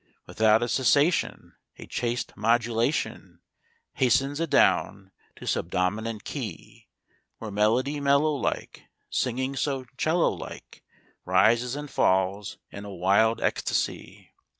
Without a cessation A chaste modulation Hastens adown to subdominant key, Where melody mellow like Singing so 'cello like Rises and falls in a wild ecstasy.